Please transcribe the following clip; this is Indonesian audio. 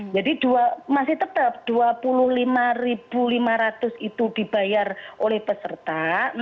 jadi masih tetap rp dua puluh lima lima ratus itu dibayar oleh peserta